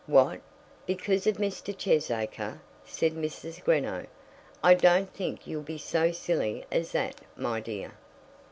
"What! because of Mr. Cheesacre?" said Mrs. Greenow. "I don't think you'll be so silly as that, my dear."